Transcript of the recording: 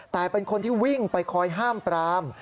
แต่เป็นคนที่วิ่งไปคอยห้ามปราม